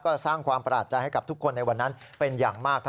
ก็สร้างความประหลาดใจให้กับทุกคนในวันนั้นเป็นอย่างมาก